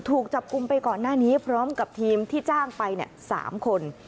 ถูกจับกลุ่มไปก่อนหน้านี้พร้อมกับทีมที่จ้างไป๓คน